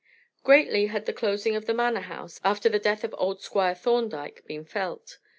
Greatly had the closing of the Manor House, after the death of old Squire Thorndyke, been felt.